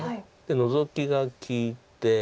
ノゾキが利いて。